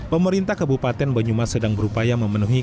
pemerintah kabupaten banyumas sedang berupaya memenuhi